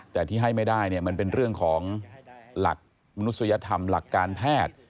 แต่ที่ให้ไม่ได้เนี่ยมันเป็นเรื่องของหลักมนุษยธรรมหลักการแพทย์